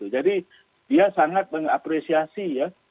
jadi dia sangat mengapresiasi